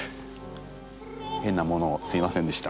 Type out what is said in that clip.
変なものをすいませんでした。